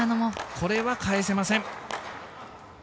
これは返せません。